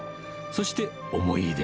そして、思い出。